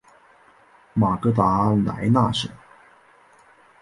马格达莱纳省。